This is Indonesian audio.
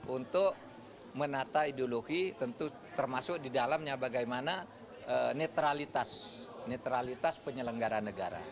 untuk menata ideologi tentu termasuk di dalamnya bagaimana netralitas penyelenggara negara